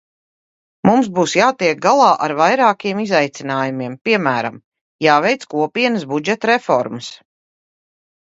Mums būs jātiek galā ar vairākiem izaicinājumiem, piemēram, jāveic Kopienas budžeta reformas.